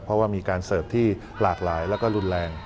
เพราะว่ามีการเสิร์ฟที่หลากหลายแล้วก็รุนแรง